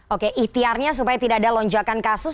oke ikhtiarnya supaya tidak ada lonjakan kasus